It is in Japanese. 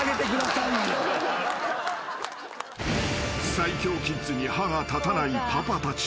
［最強キッズに歯が立たないパパたち］